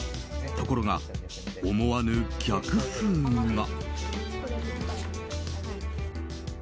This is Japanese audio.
ところが、思わぬ逆風が。